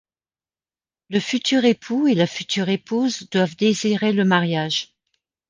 Le futur époux et la future épouse doivent désirer le mariage.